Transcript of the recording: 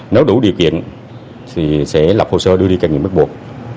nếu đủ điều kiện sẽ lập hồ sơ đưa đi các nghiệp bắt buộc